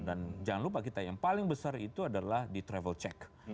dan jangan lupa kita yang paling besar itu adalah di travel check